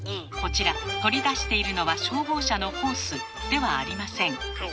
こちら取り出しているのは消防車のホースではありません。